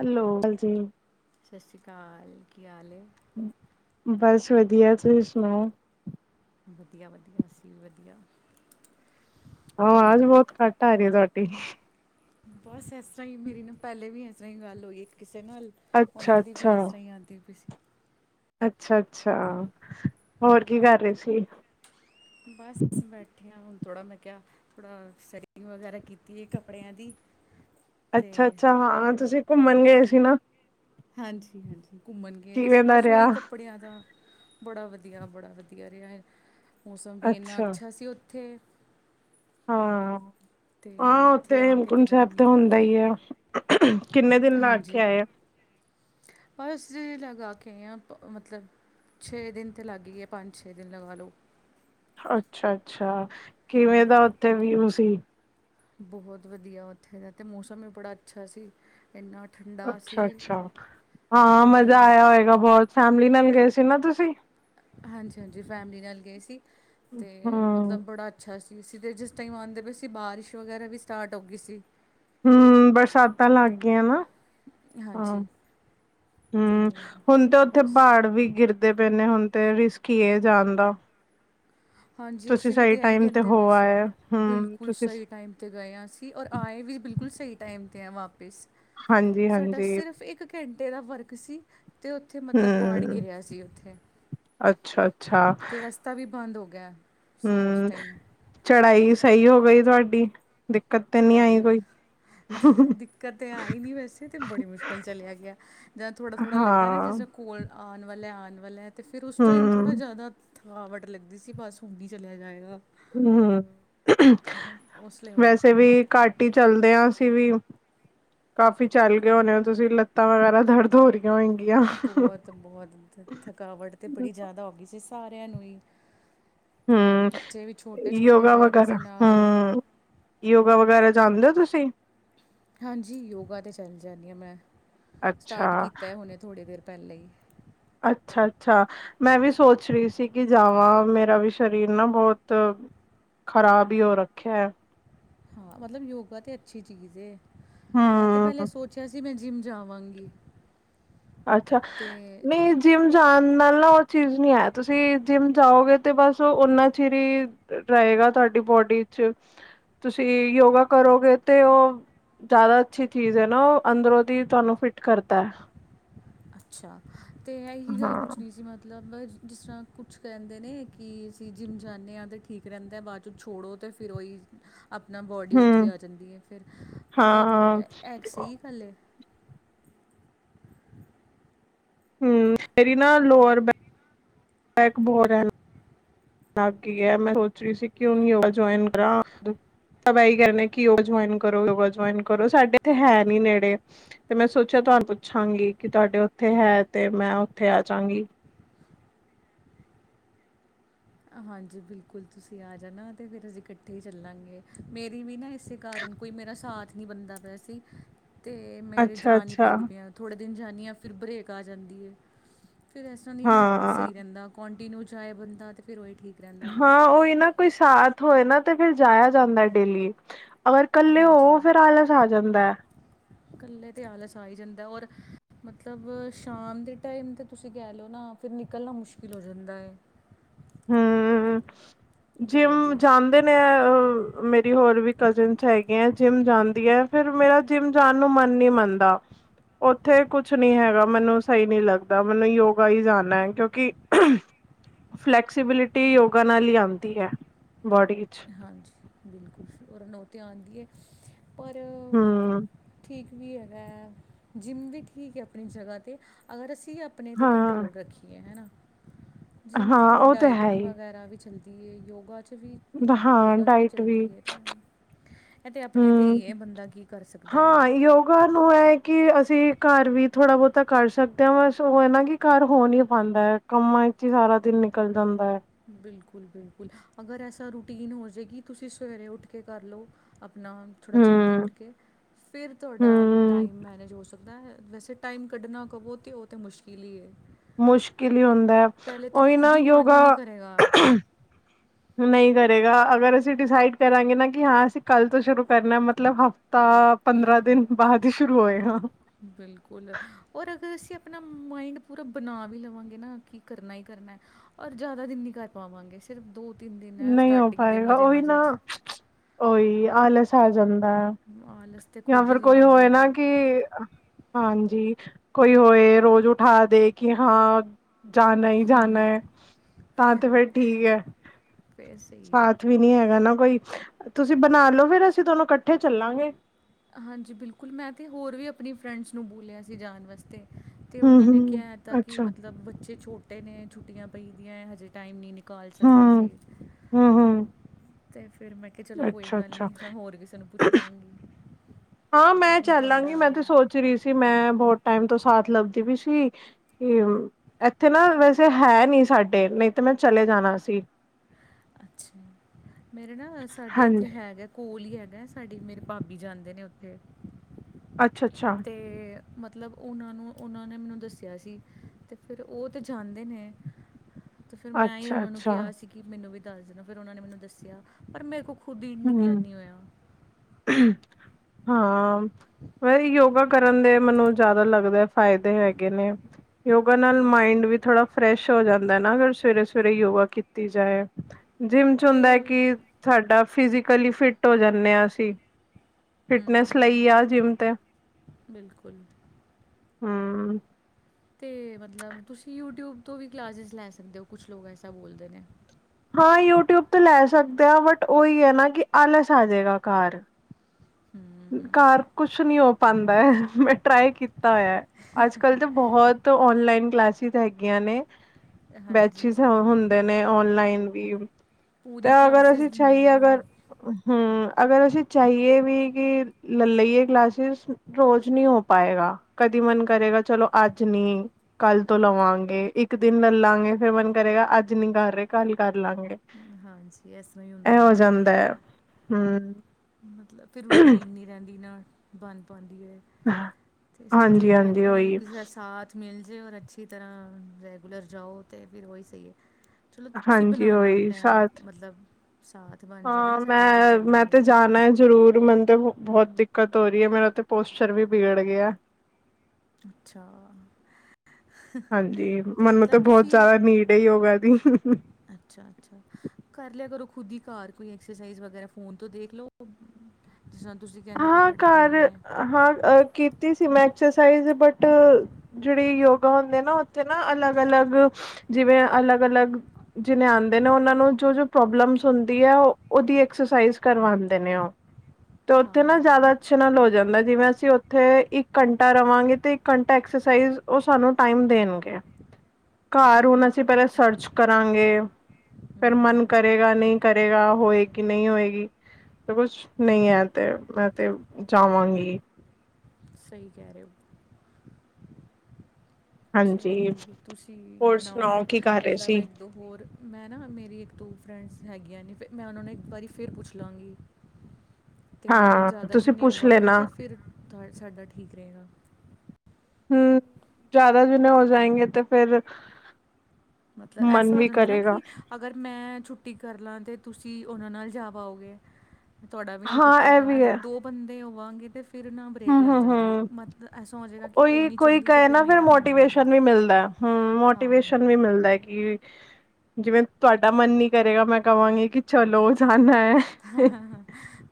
Hello ਹਾਂਜੀ ਸਤਿ ਸ਼੍ਰੀ ਅਕਾਲ, ਕੀ ਹਾਲ ਹੈ ਬਸ ਵਧੀਆ, ਤੁਸੀਂ ਸੁਣਾਓ ਵਧੀਆ ਵਧੀਆ, ਅਸੀ ਵੀ ਵਧੀਆ ਆਹ ਆਵਾਜ ਹੋਰ ਬਹੁਤ ਘੱਟ ਆ ਰਹੀ ਹੈ, ਤੁਹਾਡੀ। ਬਸ ਇਸ ਤਰ੍ਹਾਂ ਹੀ, ਮੇਰੀ ਨਾ ਪਹਿਲੇ ਵੀ ਇਸ ਤਰ੍ਹਾਂ ਹੀ ਗੱਲ ਹੋਈ ਇੱਕ ਕਿਸੇ ਨਾਲ। ਅੱਛਾ ਉਹਨਾਂ ਦੀ ਵੀ, ਅੱਛਾ ਇਸ ਤਰ੍ਹਾਂ ਆਦੀ ਪਈ ਸੀ। ਅੱਛਾ ਅੱਛਾ, ਹੋਰ ਕੀ ਕਰ ਰਹੇ ਸੀ। ਬਸ ਬੈਠੇ ਹਾਂ ਹੁਣ ਥੋੜ੍ਹਾ, ਮੈਂ ਕਿਹਾ ਥੋੜਾ ਸਿੰਗ ਵਗੈਰਾ ਕੀਤੀ ਹੈ ਕੱਪੜਿਆਂ ਦੀ। ਤੇ ਅੱਛਾ ਅੱਛਾ ਹਾਂ, ਤੁਸੀਂ ਘੁੰਮਣ ਗਏ ਸੀ ਨਾ। ਹਾਂਜੀ ਹਾਂਜੀ, ਘੁੰਮਣ ਗਏ ਦੇ ਸੀ ਕਿਵੇਂ ਦਾ ਬਸ ਔ ਰਿਹਾ ਹੀ ਕੱਪੜਿਆਂ ਦਾ। ਬੜਾ ਵਧੀਆ ਬੜਾ ਵਧੀਆ ਰਿਹਾ ਐ, ਮੌਸਮ ਵੀ ਇੰਨਾ ਅੱਛਾ ਸੀ ਉੱਥੇ। ਹਾਂ, ਅਤੇ ਹਾਂ ਇੱਥੇ ਉੱਥੇ ਆ ਕੇ ਤਾਂ ਹੇਮਕੁੰਟ ਸਾਹਿਬ ਗਰਮੀ ਤੇ ਆ ਹੁੰਦਾ ਗਈ ਹੀ ਆ। ਹਾਂਜੀ, ਬਸ ਜੀ, ਲਗਾ ਕੇ ਆਂਈ ਆਂ, ਮਤਲਬ ਛੇ ਦਿਨ ਤੇ ਲਗ ਹੀ ਗਏ, ਪੰਜ ਛੇ ਦਿਨ ਲਗਾ ਲੋ। ਅੱਛਾ ਅੱਛਾ, ਹਮ, ਕਿਵੇਂ ਦਾ ਉੱਥੇ ਵਿਊ ਸੀ। ਬਹੁਤ ਵਧੀਆ, ਉੱਥੇ ਦਾ ਤੇ ਮੌਸਮ ਵੀ ਬੜਾ ਅੱਛਾ ਸੀ। ਕਿੰਨਾ ਠੰਡਾ ਅੱਛਾ ਸੀ ਅੱਛਾ, ਹਾਂ ਅਤੇ ਮਜ਼ਾ ਆਇਆ ਹੋਏਗਾ ਬਹੁਤ ਫੈਮਿਲੀ ਨਾਲ ਗਏ ਸੀ ਨਾ ਤੁਸੀਂ। ਹਾਂਜੀ ਹਾਂਜੀ, ਫੈਮਲੀ ਨਾਲ ਗਏ ਸੀ, ਤੇ ਹਮ ਮਤਲਬ ਬੜਾ ਅੱਛਾ, ਅਸੀਂ ਤੇ ਜਿਸ ਟਾਈਮ ਆਉਂਦੇ ਪਏ ਸੀਂ ਬਾਰਿਸ਼ ਵਗੈਰਾ ਵੀ ਸਟਾਰਟ ਹੋ ਗਈ ਸੀ। ਹੂ, ਬਰਸਾਤਾਂ ਲੱਗ ਗਈਆਂ ਨਾ। ਹਾਂ ਹਾਂਜੀ ਅਤੇ ਹੂ, ਹੁਣ ਤੇ ਉੱਥੇ ਬਸ ਪਹਾੜ ਵੀ ਗਿਰ ਗਿਰਦੇ ਪਏ ਨੇ, ਹੁਣ ਤੇ ਰਿਸਕ ਹੀ ਹੈ ਜਾਣ ਦਾ। ਹਾਂਜੀ ਤੁਸੀਂ ਅਸੀਂ ਵੀ ਸਹੀ ਤੇ ਏਹੀ ਟਾਈਮ ਕਹਿੰਦੇ ਹੋ ਪਏ ਸੀ, ਆਏ ਹੂੰ ਬਿਲਕੁਲ ਤੁਸੀਂ ਸਹੀ ਟਾਈਮ ਤੇ ਗਏ ਹ ਅਸੀਂ, ਔਰ ਆਏ ਵੀ ਬਿਲਕੁਲ ਸਹੀ ਟਾਈਮ 'ਤੇ ਹੈ ਵਾਪਿਸ ਹਾਂਜੀ ਸਾਡਾ ਹਾਂਜੀ ਸਿਰਫ ਇੱਕ ਘੰਟੇ ਦਾ ਫਰਕ ਸੀ ਤੇ ਉੱਥੇ ਮਤਲਬ ਪਹਾੜ ਹੂੰ ਗਿਰਿਆ ਸੀ ਉੱਥੇ, ਅੱਛਾ ਅੱਛਾ ਤੇ ਰਸ ਤਾ ਵੀ ਬੰਦ, ਹੋ ਗਿਆ। ਹੂ, ਚੜਾਈ ਸਹੀ ਹੋ ਗਈ ਤੁਹਾਡੀ ਦਿੱਕਤ ਤੇ ਨਹੀਂ ਆਈ ਛੁੜਾਈ ਉਹ ਕੋਈ ਦਿੱਕਤ ਤੇ ਆਈ ਨਹੀਂ, ਵੈਸੇ ਤੇ ਬੜੀ ਮੁਸ਼ਕਿਲ ਚਲਿਆ ਗਿਆ ਜਦ ਥੋੜਾ ਥੋੜ੍ਹਾ ਲੱਗਦਾ ਨਾ ਹਾਂ ਜਿਸ ਤ ਕੋਲ ਆਉਣ ਵਾਲਾ ਹੈ ਆਉਣ ਵਾਲਾ ਹੈ, ਤੇ ਫਿਰ ਉਸ ਟਾਈਮ ਥੋੜ੍ਹਾ ਹੂੰ ਜ਼ਿਆਦਾ ਥਕਾਵਟ ਲੱਗਦੀ ਸੀ, ਬਸ ਹੁਗੀ ਚਲਿਆ ਜਾਏਗਾ। ਹੂੰ ਹੰ ਉਸ ਲਈ ਹੋਇਆ ਸੀ ਵੈਸੇ ਵੀ ਘੱਟ ਹੀ ਚੱਲਦੇ ਹਾਂ ਅਸੀਂ ਵੀ ਕਾਫੀ ਚੱਲ ਗਏ ਹੋਣੇ ਹੋ ਤੁਸੀਂ ਲੱਤਾਂ ਵਗੈਰਾ ਦਰਦ ਹੋ ਰਹੀਆਂ ਹੋਏਗੀਆਂ। ਬਹੁਤ ਬਹੁਤ [inaudible] ਥਕਾਵਟ ਤੇ ਬੜੀ ਜ਼ਿਆਦਾ ਹੋ ਗਈ ਸੀ ਸਾਰਿਆਂ ਨੂੰ ਹੀ। ਤੇ ਹੂੰ ਬੱਚੇ ਵੀ ਛੋਟੇ ਛੋਟੇ ਯੋਗਾ ਗਏ ਦੇ ਸੀ ਵਗੈਰਾ ਨਾਲ। ਹੂੰ ਯੋਗਾ ਵਗੈਰਾ ਜਾਣਦੇ ਹੋ ਤੁਸੀਂ ਹਾਂਜੀ ਯੋਗਾ ਤਾਂ ਚੱਲ ਜਾਂਦੀ ਹਾਂ ਮੈਂ, ਸਟਾਰਟ ਅੱਛਾ, ਕੀਤਾ ਹੁਣੇ ਥੋੜ੍ਹੀ ਦੇਰ ਪਹਿਲਾਂ ਹੀ ਅੱਛਾ- ਅੱਛਾ ਮੈਂ ਵੀ ਸੋਚ ਰਹੀ ਸੀ ਕਿ ਜਾਵਾਂ ਮੇਰਾ ਵੀ ਸਰੀਰ ਨਾ ਬਹੁਤ ਖ਼ਰਾਬ ਈ ਹੋ ਰੱਖਿਆ ਏ। ਹਾਂ ਮਤਲਬ ਯੋਗਾ ਤੇ ਅੱਛੀ ਚੀਜ਼ ਏ ਮੈਂ ਤੇ ਪਹਿਲੇ ਹੂੰ, ਸੋਚ ਕਿਆ ਸੀ ਮੈਂ ਜਿੰਮ ਜਾਵਾਂਗੀ। ਅੱਛਾ ਅਤੇ ਨਹੀਂ। ਜਿੰਮ ਜਾਣ ਨਾਲ ਨਾ ਉਹ ਚੀਜ਼ ਨੀ ਹੈ ਤੁਸੀਂ ਜਿੰਮ ਜਾਓਗੇ ਤੇ ਬਸ ਓਨਾਂ ਚਿਰ ਈ ਰਹੇਗਾ ਤੁਹਾਡੀ ਬੋਡੀ 'ਚ ਤੁਸੀਂ ਯੋਗਾ ਕਰੋਗੇ ਤੇ ਉਹ ਜ਼ਿਆਦਾ ਅੱਛੀ ਚੀਜ਼ ਹੈ ਨਾ ਉਹ ਅੰਦਰੋਂ ਦੀ ਤੁਹਾਨੂੰ ਫਿੱਟ ਕਰਦਾ। ਅੱਛਾ ਅਤੇ ਇਹੀ ਗੱਲ ਹਾਂ, ਪੁੱਛਣੀ ਸੀ ਮਤਲਬ ਜਿਸ ਤਰ੍ਹਾਂ ਕੁਛ ਕਹਿੰਦੇ ਨੇ ਕਿ ਅਸੀਂ ਜਿੰਮ ਜਾਂਦੇ ਹਾਂ ਤਾਂ ਠੀਕ ਰਹਿੰਦਾ ਬਾਅਦ 'ਚ ਛੋੜੋ ਅਤੇ ਫਿਰ ਉਹੀ ਆਪਣਾ ਬੋਡੀ ਉੱਥੇ ਹੂੰ, ਆ ਜਾਂਦੀ ਹੈ ਫਿਰ ਮਤਲਬ ਹਾਂ, ਹੈ ਸਹੀ ਗੱਲ ਐ? ਹੂੰ ਮੇਰੀ ਨਾ ਲੋਅਰ ਬੈ ਬੈਕ ਬਹੁ ਰਹਿਣ ਲੱਗ ਗਈ ਏ ਮੈਂ ਸੋਚ ਰਹੀ ਸੀ ਕਿ ਹੁਣ ਯੋਗਾ ਜੁਆਇਨ ਕਰਾਂ। ਸਬ ਇਹੀ ਕਹਿੰਦੇ ਕਿ ਯੋਗਾ ਜੁਆਇਨ ਕਰੋ- ਯੋਗਾ ਜੁਆਇਨ ਕਰੋ ਸਾਡੇ ਤੇ ਹੈ ਨੀ ਨੇੜੇ ਤੇ ਮੈਂ ਸੋਚਿਆ ਤੁਹਾਨੂੰ ਪੁੱਛਾਂਗੀ ਕਿ ਤੁਹਾਡੇ ਉੱਥੇ ਹੈ ਤੇ ਮੈਂ ਉੱਥੇ ਆ ਜਾਂਗੀ। ਹਾਂਜੀ, ਬਿਲਕੁਲ ਤੁਸੀਂ ਆ ਜਾਣਾ ਤੇ ਫਿਰ ਅਸੀਂ ਇਕੱਠੇ ਹੀ ਚੱਲਾਂਗੇ। ਮੇਰੀ ਵੀ ਨਾ। ਇਸੇ ਕਾਰਨ ਕੋਈ ਮੇਰਾ ਸਾਥ ਨਹੀਂ ਬਣਦਾ ਪਿਆ ਸੀ ਤੇ ਮੇਰੇ ਅੱਛਾ ਜਾ ਨਹੀਂ ਅੱਛਾ ਪਾਂਦੀ ਪਈ ਆ। ਥੋੜ੍ਹੇ ਦਿਨ ਜਾਂਦੀ ਹਾਂ ਫਿਰ ਬਰੇਕ ਆ ਜਾਂਦੀ ਏ ਫਿਰ ਇਸ ਤਰ੍ਹਾਂ ਦੀ ਨਾ ਹਾਂ ਸਹੀ ਰਹਿੰਦਾ। ਕੋਂਟੀਨਿਊ ਜਾਏ ਬੰਦਾ ਤੇ ਫਿਰ ਓ ਈ ਠੀਕ ਰਹਿੰਦਾ ਹਾਂ ਉਹੀ ਨਾ ਕੋਈ ਸਾਥ ਹੋਏ ਤੇ ਨਾ ਫਿਰ ਜਾਇਆ ਜਾਂਦਾ ਡੇਲੀ ਅਗਰ ਇਕੱਲੇ ਹੋ ਫਿਰ ਆਲਸ ਆ ਜਾਂਦਾ। ਕੱਲੇ ਤੇ ਆਲਸ ਆਈ ਜਾਂਦਾ ਔਰ ਮਤਲਬ ਸ਼ਾਮ ਦੇ ਟਾਈਮ ਤੇ ਤੁਸੀਂ ਕਹਿ ਲਓ ਨਾ ਫਿਰ ਨਿਕਲਣਾ ਮੁਸ਼ਕਿਲ ਹੋ ਜਾਂਦਾ ਏ। ਹੂੰ ਜਿਮ ਘਰੋਂ ਦੀ ਜਾਂਦੇ ਨੇ ਅ। ਮੇਰੀ ਹੋਰ ਵੀ ਕਜ਼ਨਸ ਹੈਗੇ ਹੈ ਜਿੰਮ ਜਾਂਦੀ ਹੈ ਫਿਰ ਮੇਰਾ ਜਿੰਮ ਜਾਣ ਨੂੰ ਮਨ ਨੀ ਮੰਨਦਾ। ਉੱਥੇ ਕੁਛ ਨੀ ਹੈਗਾ ਮੈਨੂੰ ਸਹੀ ਨੀ ਲੱਗਦਾ ਮੈਨੂੰ ਯੋਗਾ ਹੀ ਜਾਨਾ ਹੈ ਕਿਉਂਕਿ ਫਲੈਕਸੀਬਿਲਿਟੀ ਯੋਗਾ ਨਾਲ ਈ ਆਂਦੀ ਹੈ ਬੋਡੀ 'ਚ ਹਾਂਜੀ ਬਿਲਕੁਲ ਉਹਰ ਨੂੰ ਉਹ ਤਾਂ ਆਂਦੀ ਹੈ ਪਰ ਹਮ ਠੀਕ ਵੀ ਹੈਗਾ ਜਿੰਮ ਵੀ ਠੀਕ ਹੈ ਆਪਣੀ ਜਗ੍ਹਾ 'ਤੇ ਅਗਰ ਅਸੀਂ ਤੀ ਆਪਣੇ ਹਾਂ ਕੰਟਰੋਲ ਰੱਖੀਏ ਹੈਨਾ। ਜਿੰਮ 'ਚ ਹਾਂ ਥੋੜ੍ਹੀ ਉਹ ਤੇ ਹੈ ਡਾਇਟਿੰਗ ਹੀ ਵਗੈਰਾ ਵੀ ਚੱਲਦੀ ਹੈ ਯੋਗਾ 'ਚ ਵੀ ਹਾਂ ਯੋਗਾ 'ਚ ਵੀ ਡਾਇਟ ਚੱਲਦੀ ਹੈ ਤੇ ਇਹ ਤੇ ਆਪਣੇ ਤੇ ਈ ਹਮ ਏ ਬੰਦਾ ਕੀ ਕਰ ਸਕਦਾ ਹੈ? ਘਰ ਨੂੰ ਇਹ ਕਿ ਅਸੀਂ ਘਰ ਵੀ ਥੋੜਾ-ਬਹੁਤਾ ਕਰ ਸਕਦੇ ਹਾਂ ਬਸ ਉਹ ਹੈ ਨਾ ਕਿ ਘਰ ਹੋ ਨਹੀਂ ਪਾਉਂਦਾ ਹੈ। ਕੰਮਾਂ ਵਿਚ ਹੀ ਸਾਰਾ ਦਿਨ ਨਿਕਲ ਜਾਂਦਾ ਹੈ। ਬਿਲਕੁਲ-ਬਿਲਕੁਲ ਅਗਰ ਐਸਾ ਰੂਟੀਨ ਹੋ ਜੇ ਕੀ ਤੁਸੀਂ ਸਵੇਰੇ ਉੱਠ ਕੇ ਕਰ ਲਓ। ਆਪਣਾ ਥੋੜ੍ਹਾ ਜਲਦੀ ਹਮ ਉੱਠ ਕੇ ਫਿਰ ਤੁਹਾਡਾ ਹਮ ਟਾਈਮ ਮੈਨੇਜ ਹੋ ਸਕਦਾ ਏ ਵੈਸੇ ਟਾਈਮ ਕੱਢਣਾ ਕਵੋ ਤੇ ਉਹ ਤੇ ਮੁਸ਼ਕਿਲ ਈ ਏ। ਮੁਸ਼ਕਿਲ ਹੀ ਹੁੰਦਾ ਹੈ ਉਹੀ ਨਾ ਹੀ ਮਨ ਹੀ ਯੋਗਾ ਨਹੀਂ ਤਾਂ ਕਰੇਗਾ [unintelligible] [unintelligible] ਨਹੀਂ ਕਰੇਗਾ ਅਗਰ ਅਸੀਂ ਡਿਸਾਈਡ ਕਰਾਂਗੇ ਨਾ ਕਿ ਹਾਂ ਅਸੀਂ ਕੱਲ੍ਹ ਤੋਂ ਸ਼ੁਰੂ ਕਰਨਾ ਮਤਲਬ ਹਫ਼ਤਾ ਪੰਦਰਾਂ ਦਿਨ ਬਾਅਦ ਹੀ ਸ਼ੁਰੂ ਹੋਏ ਹਾਂ। ਬਿਲਕੁਲ ਔਰ ਅਗਰ ਅਸੀਂ ਆਪਣਾ ਮਾਈਂਡ ਪੂਰਾ ਬਣਾ ਵੀ ਲਵਾਂਗੇ ਨਾ ਕਿ ਕਰਨਾ ਹੀ ਕਰਨਾ ਔਰ ਜ਼ਿਆਦਾ ਦਿਨ ਨੀ ਕਰ ਪਾਵਾਂਗੇ ਸਿਰਫ ਦੋ ਤਿੰਨ ਦਿਨ ਹੈ ਨਹੀਂ ਹੋ ਸਟਾਰਟਿੰਗ ਦੇ ਪਾਏਗਾ ਮਜ਼ੇ ਉਹੀ ਨਾ -ਮਜ਼ੇ 'ਚ ਉਹੀ ਆਲਸ ਆ ਜਾਂਦਾ ਐ ਆਲਸ ਤਾਂ ਜਾਂ ਖੁਦ ਫਿਰ ਹੀ ਕੋਈ ਆ ਹੋਏ ਜਾਏਗਾ ਨਾ ਕਿ ਹਾਂਜੀ ਕੋਈ ਹੋਏ ਰੋਜ਼ ਉਠਾ ਦੇ ਕਿ ਹਾਂ। ਜਾਣਾ ਹੀ ਜਾਣਾ ਹੈ ਤਾਂ ਤੇ ਫੇਿਰ ਠੀਕ ਹੈ। ਫੇਸ ਸਾਥ ਵੀ ਨਹੀਂ ਹੈਗਾ ਨਾ ਕੋਈ, ਤੁਸੀਂ ਬਣਾ ਲਓ ਫੇਿਰ ਅਸੀਂ ਦੋਵੇ ਇਕੱਠੇ ਚੱਲਾਂਗੇ। ਹਾਂਜੀ, ਬਿਲਕੁਲ ਮੈਂ ਤਾਂ ਹੋਰ ਵੀ ਆਪਣੀ ਫਰੈਂਡਸ ਨੂੰ ਬੋਲਿਆ ਸੀ ਜਾਣ ਵਾਸਤੇ। ਤੇ ਹਮ ਓਨਾਂ ਨੇ ਕੈ ਤਾ ਹਮ ਕੀ ਅੱਛਾ ਮਤਲਬ ਬੱਚੇ ਛੋਟੇ ਨੇ, ਛੁੱਟੀਆਂ ਪਈ ਦੀਆਂ। ਹਜੇ ਟਾਈਮ ਨੀ ਨਿਕਲ- ਕਾਲ ਸਕਦੇ ਅਸੀਂ। ਹੂੰ। ਤੇ ਫਿਰ ਮੈਂ ਕਿਹਾ, ਚਲੋ ਕੋਈ ਗੱਲ ਨਹੀਂ ਮੈਂ ਹੋਰ ਕਿਸੇ ਨੂੰ ਪੁੱਛ ਲਾਂਗੀ। ਹਾਂ, ਮੈਂ ਹੁਣ ਤੁਹਾਡਾ ਚੱਲਾਂਗੀ ਆ ਮੈਂ ਗਿਆ। ਤੇ ਸੋਚ ਰਹੀ ਸੀ ਮੈਂ ਬਹੁਤ ਟਾਈਮ ਤੋਂ ਸਾਥ ਲੱਭਦੀ ਪੀ ਸੀ। ਕੀ ਐਥੇ ਨਾ ਵੈਸੇ ਹੈ ਨੀ ਸਾਡੇ ਨਈ ਤਾਂ ਮੈਂ ਚਲੇ ਜਾਣਾ ਸੀ। ਅੱਛਾ ਮੇਰੇ ਨਾ ਸਾਡੇ ਹਾਂਜੀ ਏਥੇ ਹੈਗਾ- ਕੋਲ ਈ ਹੈਗਾ, ਸਾਡੇ ਮੇਰੇ ਭਾਬੀ ਜਾਂਦੇ ਨੇ ਓਥੇ। ਅੱਛਾ-ਅੱਛਾ। ਤੇ ਮਤਲਬ ਉਨਾਂਨੂੰ ਉਨਾਂ ਨੇ ਮੈਨੂੰ ਦੱਸਿਆ ਸੀ ਤੇ ਫਿਰ ਉਹ ਤਾਂ ਜਾਂਦੇ ਨੇ। ਤੇ ਫਿਰ ਮੈਂ ਹੀ ਅੱਛਾ ਉਹਨਾਂ ਨੂੰ ਅੱਛਾ ਕਿਹਾ ਸੀ। ਕਿ ਮੈਨੂੰ ਵੀ ਦੱਸ ਦੇਣਾ, ਫਿਰ ਉਹਨਾਂ ਨੇ ਮੈਨੂੰ ਦੱਸਿਆ, ਪਰ ਮੇਰੇ ਕੋ ਖੁਦ ਹੀ ਨਿਕਲਣ ਹਮ ਨਹੀਂ ਹੋਇਆ। ਹਾਂ। ਫਿਰ ਯੋਗਾ ਕਰਨ ਦੇ ਮੈਨੂੰ ਜ਼ਿਆਦਾ ਲੱਗਦਾ ਫਾਇਦੇ ਹੈਗੇ ਨੇ। ਯੋਗਾ ਨਾਲ ਬਿਲਕੁਲ ਮਾਇੰਡ ਵੀ ਥੋੜ੍ਹਾ ਫਰੈਸ਼ ਹੋ ਜਾਂਦਾ ਨਾ ਅਗਰ ਸਵੇਰੇ ਸਵੇਰੇ ਯੋਗਾ ਕੀਤੀ ਜਾਏ‌ ਜਿੰਮ ਚ ਤੇ ਹੁੰਦਾ ਹੈ ਕਿ ਸਾਡਾ ਫਿਜ਼ੀਕਲੀ ਫਿੱਟ ਹੋ ਜਾਂਦੇ ਹਾਂ ਅਸੀਂ। ਫਿਟਨੈਸ ਲਈ ਹਮ ਆ ਜਿੰਮ ਤੇ। ਬਿਲਕੁਲ ਹੂੰ ਤੇ ਮਤਲਬ ਤੁਸੀਂ ਯੂਟਿਊਬ ਤੋਂ ਵੀ ਕਲਾਸਿਸ ਲੈ ਸਕਦੇ ਹੋ ਕੁਛ ਲੋਕ ਐਸਾ ਬੋਲਦੇ ਨੇ। ਹਾਂ ਯੂਟਿਊਬ ਤੇ ਲੈ ਸਕਦੇ, ਬਟ ਓਈ ਐ ਨਾ ਕੀ ਆਲਸ ਆ ਜੇਗਾ ਘਾਰ ਹਮ ਘਰ ਕੁਛ ਨਹੀਂ ਹੋ ਪਾਦਾ ਏ ਮੈਂ ਟਰਾਈ ਕੀਤਾ ਹੋਇਆ ਅੱਜ-ਕੱਲ੍ਹ ਤਾਂ ਬਹੁਤ ਤੋਂ ਔਨਲਾਈਨ ਕਲਾਸਿਸ ਹੈਗੀਆਂ ਨੇ। ਬੈਚਿਸ ਹਾਂਜੀ ਹੁੰਦੇ ਨੇ, ਔਨਲਾਈਨ ਵੀ। ਤੇ ਪੂਰੀ ਅਗਰ ਕਲਾਸਿਸ ਅਸੀਂ ਦਿੰਦੇ ਚਾਈਏ ਨੇ ਅਗਰ, ਉਹ ਹੂੰਅ ਅਗਰ ਅਸੀਂ ਚਾਈਏ ਵੀ। ਕੀ ਲਲ ਲਈ ਏ ਕਲਾਸਿਸ, ਰੋਜ਼ ਨੀ ਹੋ ਪਾਏਗਾ। ਕਦੀ ਮਨ ਕਰੇਗਾ, ਚਲੋ ਅੱਜ ਨੀ। ਕੱਲ ਤੋਂ ਲਵਾਂਗੇ, ਇੱਕ ਦਿਨ ਲੱਲਾਂਗੇ ਫੇਰ ਮਨ ਕਰੇਗਾ ਅੱਜ ਨੀ ਕਰ ਰਹੇ ਕੱਲ ਕਰ ਲਾਂਗੇ। ਹਾਂਜੀ ਐਸਰ੍ਹਾਂ ਈ ਹੁੰਦਾ ਨਾ। ਹੂੰ। ਮਤਲਬ ਫਿਰ ਰੂਟੀਨ ਨੀ ਰਹਿੰਦੀ ਨਾ ਬਣ ਪਾਉਂਦੀ ਹੈ। ਹਾਂਜੀ ਤੇ ਐਸ ਤੋਂ ਚੰਗਾ ਹਾਂਜੀ ਕੀ ਉਹੀ ਕਿਸੇ ਦਾ ਸਾਥ- ਮਿਲ ਜੇ ਔਰ ਅੱਛੀ ਤਰ੍ਹਾਂ ਰੈਗੂਲਰ ਜਾਓ ਤੇ ਫਿਰ ਉਹੀ ਸਹੀ ਹੈ। ਚਲੋ ਤੁਸੀਂ ਹਾਂਜੀ ਬਣਾਣਾ ਉਹੀ ਪਲੈਨ ਸਾਥ ਮਤਲਬ ਸਾਥ ਬਣ ਜੇਗਾ ਨਾ ਹਾਂ ਮੈਂ ਸਾਡਾ ਫੇਰ ਮੈਂ ਚੱਲਾਂਗੇ। ਤੇ ਜਾਣਾ ਹੈ ਜ਼ਰੂਰ ਮੈਨ ਤੇ ਬਹੁਤ ਦਿੱਕਤ ਹੋ ਰਹੀ ਹੈ ਮੇਰਾ ਤੇ ਪੋਸਚਰ ਵੀ ਬਿਗੜ ਗਿਆ। ਅੱਛਾ। ਹਾਂਜੀ ਤੇ ਮੈਨੂੰ ਤਾਂ ਮਤਲਬ ਬੋਤ ਜਾਦਾ ਨੀਡ ਏ ਯੋਗਾ ਦੀ। ਅੱਛਾ ਅੱਛਾ ਕਰ ਲਿਆ ਕਰੋ ਖੁਦ ਈ ਘਾਰ, ਕੋਈ ਐਕਸਰਸਾਈਜ਼ ਵਗੈਰਾ ਫੋਨ ਤੋਂ ਦੇਖ ਲੋ। ਜਿਸ ਤਰਾਂ ਤੁਸੀਂ ਕਹਿੰਦੇ ਪਏ ਹਾਂ ਤੁਹਾਡੀੇ ਘਰ ਪਣੀ ਨੇ ਹਾਂ, ਕੀਤੀ ਸੀ ਮੈਂ ਐਕਸਰਸਾਈਜ਼ ਬਟ ਜਿਹੜੇ ਯੋਗਾ ਹੁੰਦੇ ਨਾ ਉੱਥੇ ਨਾ ਅਲੱਗ-ਅਲੱਗ ਜਿਵੇਂ ਅਲੱਗ-ਅਲੱਗ ਜਿਨੇ ਆਂਦੇ ਨੇ ਓਨਾਂ ਨੂੰ ਜੋ ਜੋ ਪ੍ਰੋਬਲਮਸ ਹੁੰਦੀ ਐ, ਓਦੀ ਐਕਸਰਸਾਈਜ਼ ਕਰਵਾਂਦੇ ਨੇ ਓ। ਤੇ ਉੱਥੇ ਨਾ ਜ਼ਿਆਦਾ ਹਾਂ-ਹਾਂ ਅੱਛੇ ਨਾਲ ਹੋ ਜਾਂਦਾ, ਜਿਵੇਂ ਅਸੀਂ ਉੱਥੇ ਇੱਕ ਘੰਟਾ ਰਵਾਂਗੇ ਤੇ ਇੱਕ ਘੰਟਾ ਐਕਸਰਸਾਈਜ਼ ਉਹ ਸਾਨੂੰ ਟਾਈਮ ਦੇਣਗੇ। ਘਰ ਹੁਨ ਅਸੀਂ ਮਤਲਬ ਪਹਿਲਾਂ ਸਰਚ ਕਰਾਂਗੇ, ਹੂੰ, ਫਿਰ ਮਨ ਕਰੇਗਾ ਨੀ ਕਰੇਗਾ, ਹੋਏ ਕਿ ਨੀ ਹੋਏਗੀ, ਤਾਂ ਕੁਛ ਹੂੰ ਨਈਂ ਐ। ਤੇ ਮੈਂ ਤੇ ਜਾਵਾਂਗੀ ਸਹੀ ਕਹਿ ਰਹੇ ਓ ਚਲੋ ਹਾਂਜੀ ਠੀਕ ਤੁਸੀਂ ਹੋਰ ਬਣਾਓ ਸੁਣਾਓ ਫਿਰ ਕੀ ਕਰ ਰਹੇ ਮਤਲਬ ਸੀ ਇੱਕ ਦੋ ਹੋਰ ਮੈਂ ਨਾ ਮੇਰੀ ਇੱਕ ਦੋ ਫਰੈਂਡਸ ਹੈਗੀਆਂ ਨੇ ਫਿ ਮੈਂ ਉਹਨਾਂ ਨੂੰ ਇੱਕ ਵਾਰੀ ਫਿਰ ਪੁੱਛ ਲਾਂਗੀ [inaudible] ਤੇ ਹਾਂ ਜ਼ਿਆਦਾ ਤੁਸੀਂ ਜਨੇ ਪੁੱਛ ਹੋਵਾਂਗੇ ਲੈਣਾ ਤੇ ਫਿਰ ਤ ਸਾਡਾ ਠੀਕ ਰਹੇਗਾ ਹਮ ਜ਼ਿਆਦਾ ਜਨੇ ਹੋ ਜਾਏਗੇੇ ਤੇ ਫਿਰ ਮਤਲ ਮਨ ਐਸਾ ਹੋ ਵੀ ਜਾਂਦਾ ਨਾ ਕਰੇਗਾ ਕਿ ਅਗਰ ਮੈਂ ਛੁੱਟੀ ਕਰ ਲਾਂ ਤਾਂ ਤੁਸੀਂ ਉਹਨਾਂ ਨਾਲ ਜਾ ਪਾਓਗੇ ਤੁਹਾਡਾ ਵੀ ਨਹੀਂ ਹਾਂ ਇਹ ਟੁੱਟੇਗਾ ਵੀ ਅਸੀਂ ਹੈ ਦੋ ਬੰਦੇ ਹੋਵਾਂਗੇ ਤੇ ਫ ਫਿਰ ਨਾ ਬਰੇੇਕ ਹਮ ਲੱਗ ਹਮ ਜਾਂਦੀ ਹਮ ਮਤ ਐਸਾ ਹੋ ਜੇਗਾ ਕਿ ਉਹ ਉਹੀ ਨਹੀਂ ਕੋਈ ਚੱਲੀ ਅਤੇ ਕਹੇ ਫਿਰ ਨਾ ਮੇਰਾ ਵੀ ਮਨ ਨਹੀਂ ਹੈ ਮੋਟੀਵੇਸ਼ਨ ਵੀ ਮਿਲਦਾ ਹਮ ਹਾਂ ਮੋਟੀਵੇਸ਼ਨ ਵੀ ਹਾਂ ਮਿਲਦਾ ਕਿ ਜਿਵੇਂ ਤੁਹਾਡਾ ਮਨ ਨੀ ਕਰੇਗਾ ਮੈਂ ਕਵਾਂਗੀ ਕਿ ਚਲੋ ਉਹ ਜਾਣਾ ਐ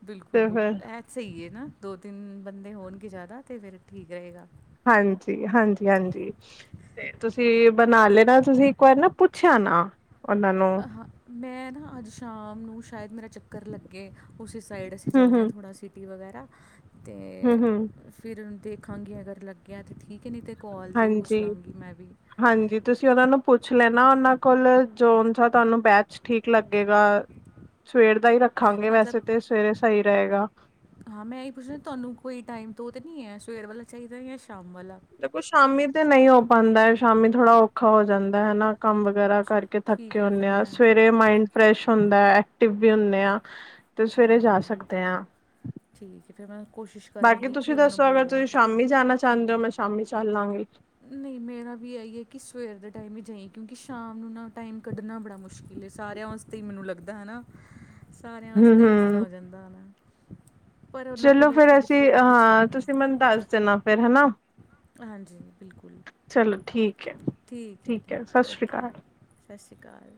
ਬਿਲਕੁਲ ਬਿਲਕੁਲ ਇਹ ਸਹੀ ਹੈ ਨਾ ਦੋ ਤਿੰਨ ਬੰਦੇ ਹੋਣਗੇ ਜ਼ਿਆਦਾ ਤੇ ਫਿਰ ਠੀਕ ਰਹੇਗਾ ਹਾਂਜੀ ਹਾਂਜੀ ਹਾਂਜੀ ਤੇ ਤੁਸੀਂ ਬਣਾ ਲੈਨਾ ਤੁਸੀਂ ਇੱਕ ਵਾਰ ਨਾ ਪੁੱਛਿ ਯਾਨਾ ਅਹਾਂ ਮੈਂ ਨਾ ਅੱਜ ਸ਼ਾਮ ਨੂੰ ਸ਼ਾਇਦ ਮੇਰਾ ਚੱਕਰ ਲੱਗੇ ਉਸੇ ਸਾਈਡ ਅਸੀਂ ਹਮ ਹਮ ਜਾਣਾ ਥੋੜ੍ਹਾ ਅਸੀਂ ਦੀ ਵਗੈਰਾ ਤੇ ਹਮ ਹਮ ਫਿਰ ਦੇਖਾਂਗੀ ਅਗਰ ਲੱਗਿਆ ਤੇ ਠੀਕ ਹੈ ਨਹੀਂ ਤੇ ਕੋਲ 'ਤੇ ਹੀ ਪੁੱਛ ਹਾਂਜੀ ਲਾਂਗੀ ਮੈਂ ਵੀ ਹਾਂਜੀ ਤੁਸੀਂ ਉਹਨਾਂ ਨੂੰ ਪੁੱਛ ਲੈਨਾ ਉਹਨਾਂ ਕੋਲ ਜੋਨਸਾ ਤੁਹਾਨੂੰ ਬੈਚ ਠੀਕ ਲੱਗੇਗਾ ਸਵੇਰ ਦਾ ਹੀ ਰੱਖਾਂਗੇ ਮਤਲਬ ਵੈਸੇ ਤੇ ਸਵੇਰੇ ਸਹੀ ਰਹੇਗਾ ਹਾਂ ਮੈਂ ਇਹੀ ਪੁੱਛਣਾ ਤੁਹਾਨੂੰ ਕੋਈ ਟਾਈਮ ਤੋਂ ਤਾਂ ਨਹੀਂ ਹੈ ਸਵੇਰ ਵਾਲਾ ਚਾਹੀਦਾ ਯਾ ਸ਼ਾਮ ਵਾਲਾ ਦੇਖੋ ਸ਼ਾਮੀ ਤੇ ਨਹੀਂ ਹੋ ਪਾਉਦਾ ਸ਼ਾਮੀ ਥੋੜ੍ਹਾ ਔਖਾ ਹੋ ਜਾਂਦਾ ਹਨਾ ਕੰਮ ਵਗੈਰਾ ਚਲੋ ਕਰਕੇ ਥੱਕ ਠੀਕ ਹੈ ਫਿਰ ਮੈਂ ਮਾਇੰਡ ਫਰੈਸ਼ ਹੁੰਦਾ ਐਕਟਿਵ ਵੀ ਹੁੰਦੇ ਆ ਤੇ ਸਵੇਰੇ ਜਾ ਹਾਂ ਸਕਦੇ ਆਂ ਠੀਕ ਹੈ ਫਿਰ ਮੈਂ ਕੋਸ਼ਿਸ਼ ਬਾਕੀ ਕਰਾਂਗੀ ਤੁਸੀਂ ਕਿ ਉਹਨਾਂ ਨੂੰ ਦੱਸੋ ਅਗਰ ਤੁਸੀਂ ਬੋਲਾਂਗੀ ਸ਼ਾਮੀ ਜਾਣਾ ਚਾਹੁੰਦੇ ਹੋ ਮੈਂ ਸ਼ਾਮੀ ਚੱਲ ਲਾਂਗੀ ਨਹੀਂ ਮੇਰਾ ਵੀ ਇਹੀ ਹੈ ਕਿ ਸਵੇਰ ਦੇ ਟਾਈਮ ਹੀ ਜਾਈ ਕਿਉਂਕਿ ਸ਼ਾਮ ਨੂੰ ਨਾ ਟਾਈਮ ਕੱਢਣਾ ਬੜਾ ਮੁਸ਼ਕਿਲ ਹੈ ਸਾਰਿਆਂ ਵ ਹੀ ਮੈਨੂੰ ਲੱਗਦਾ ਹੈ ਨਾ ਸਾਰਿਆਂ ਹਮ ਵਾਸਤੇ ਹਿੱਸਰ ਹਮ ਹੋ ਜਾਂਦਾ ਹੋਨਾ ਪਰ ਉਹਨਾਂ ਚਲੋ ਕੋਲੋਂ ਇੱਕ ਫੇਰ ਵਾਰੀ ਅਸੀਂ ਫਿਰ ਪੁੱਛ ਹਾਂ ਲਾਂਗੇ ਤੁਸੀਂ ਮੈਨੂੰ ਦੱਸ ਦੇਣਾ ਫੇਰ ਹਨਾ ਹਾਂਜੀ ਬਿਲਕੁਲ ਚਲੋ ਠੀਕ ਹੈ ਠੀਕ ਹੈ ਸਤਿ ਠੀਕ ਸ੍ਰੀ ਓਕੇ ਅਕਾਲ ਸ ਸੀ ਕਾਲ